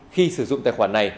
khi sử dụng tài khoản này